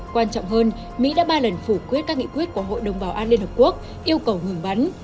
quan trọng hơn mỹ đã ba lần phủ quyết các nghị quyết của hội đồng bảo an liên hợp quốc yêu cầu ngừng bắn